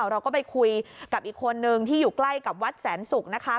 เราก็ไปคุยกับอีกคนนึงที่อยู่ใกล้กับวัดแสนศุกร์นะคะ